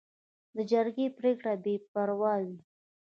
د جرګې پریکړه بې پرې وي.